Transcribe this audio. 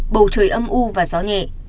bầu trời âm u và gió nhẹ